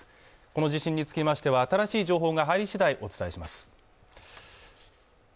この地震につきましては新しい情報が入り次第お伝えします